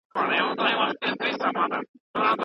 که کاغذ وي نو فلټر نه پاتې کیږي.